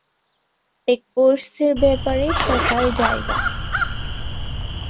এটা কার্সের ব্যাপারে শেখার জায়গা।